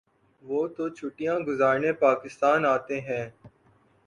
وہ تو چھٹیاں گزارنے پاکستان آتے ہیں۔